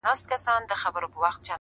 پاگل لگیا دی نن و ټول محل ته رنگ ورکوي;